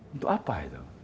untuk apa itu